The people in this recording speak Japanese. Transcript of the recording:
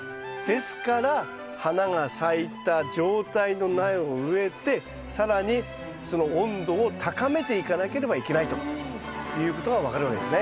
ですから花が咲いた状態の苗を植えて更にその温度を高めていかなければいけないということが分かるわけですね。